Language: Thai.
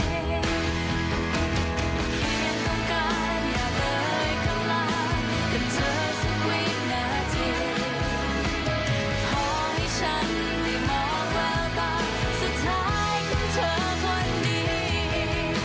เพียงต้องการอย่าเลยข้างล่างกันเธอสักวินาที